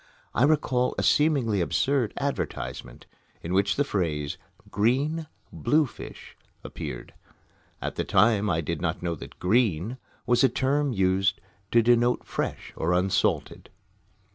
I recall a seemingly absurd advertisement, in which the phrase, "Green Bluefish," appeared. At the time I did not know that "green" was a term used to denote "fresh" or "unsalted."